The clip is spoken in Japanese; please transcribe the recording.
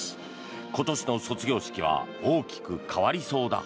今年の卒業式は大きく変わりそうだ。